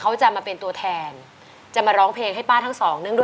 อยากจะบอกว่าขอบพระคุณมากเลยที่ช่วยเหลือเนี่ยขอให้ได้ล้านเลยนะ